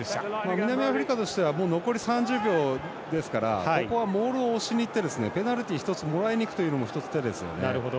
南アフリカとしては残り３０秒ですからここはモールを押しにいってペナルティ１つもらいにいくというのも１つ、手ですよね。